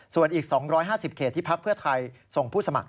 ส่วนอีก๒๕๐เขตที่พักเพื่อไทยส่งผู้สมัคร